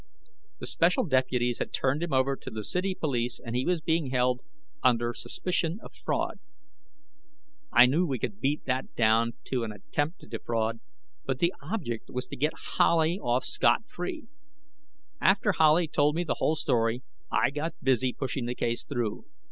The special deputies had turned him over to the city police and he was being held "under suspicion of fraud." I knew we could beat that down to an "attempt to defraud," but the object was to get Howley off scott free. After Howley told me the whole story, I got busy pushing the case through.